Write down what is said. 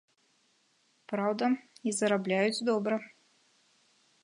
Праўда, і зарабляюць добра.